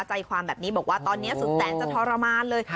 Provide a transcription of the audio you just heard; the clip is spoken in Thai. ใจความแบบนี้บอกว่าตอนนี้สุดแสนจะทรมานเลย